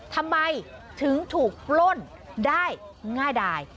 ทำไมถึงถูกปล้นได้ง่ายดาย